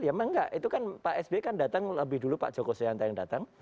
ya emang enggak itu kan pak sby kan datang lebih dulu pak joko seanta yang datang